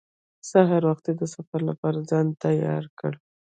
سهار وختي د سفر لپاره ځان تیار کړ.